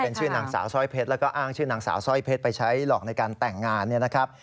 เป็นชื่อนางสาวสร้อยเพชรแล้วก็อ้างชื่อนางสาวสร้อยเพชรไปใช้หลอกในการแต่งงานเนี่ยนะครับ